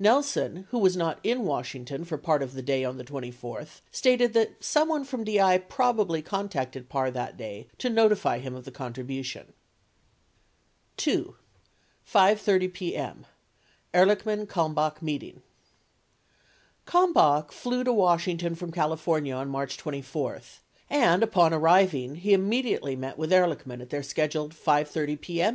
71 Nelson, who was not in Washington for part of the day on the 24th, stated that someone from DI probably contacted Parr that day to notify him of the contribution. 72 2. 5:30 P.M. EHRLICHMAN KALMBACH MEETING Kalmbach flew to Washington from California on March 24 and, upon arriving, he immediately met with Ehrlichman at their scheduled 5 :30 p.m.